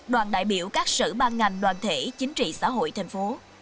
đoàn đại biểu các sở ban ngành đoàn thể chính trị xã hội tp